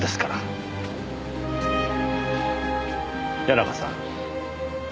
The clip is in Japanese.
谷中さん。